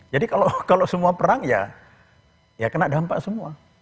jadi kalau semua perang ya ya kena dampak semua